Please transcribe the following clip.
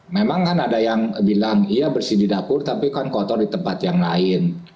memang kan ada yang bilang iya bersih di dapur tapi kan kotor di tempat yang lain